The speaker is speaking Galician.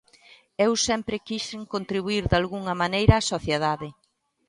Eu sempre quixen contribuír dalgunha maneira á sociedade.